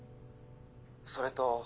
それと。